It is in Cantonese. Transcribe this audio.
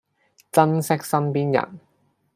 珍惜身邊人